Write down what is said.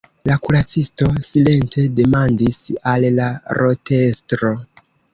La kuracisto silente demandis al la rotestro.